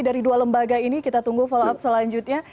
dari dua lembaga ini kita tunggu follow up selanjutnya